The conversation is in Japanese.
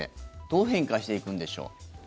どう変化していくんでしょう。